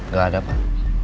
gak ada pak